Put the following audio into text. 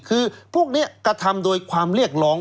คือพวกนี้กระทำโดยความเรียกร้อง